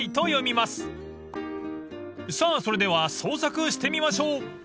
［さあそれでは創作してみましょう］